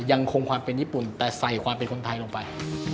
ยังคงความเป็นญี่ปุ่นแต่ใส่ความเป็นคนไทยลงไป